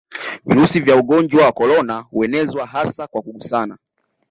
Virusi vya ugonnjwa wa korona huenezwa hasa kwa kugusana